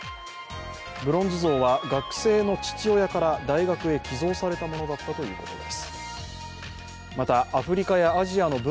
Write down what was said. ブロンズ像は学生の父親から大学へ寄贈されたものだったということです。